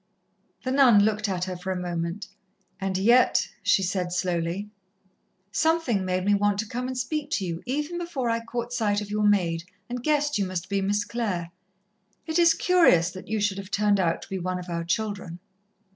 The nun looked at her for a moment. "And yet," she said slowly, "something made me want to come and speak to you, even before I caught sight of your maid, and guessed you must be Miss Clare. It is curious that you should have turned out to be one of our children."